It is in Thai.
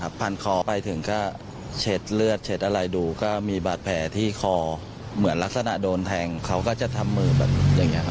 ผ่านคอไปถึงก็เช็ดเลือดเช็ดอะไรดูก็มีบาดแผลที่คอเหมือนลักษณะโดนแทงเขาก็จะทำมือแบบอย่างนี้ครับ